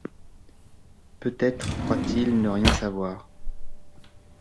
Peut-être croit-il ne rien savoir ?